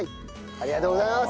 ありがとうございます！